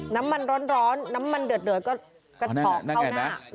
น้ำมันร้อนน้ำมันเดือดก็กระเฉาะเข้าหน้า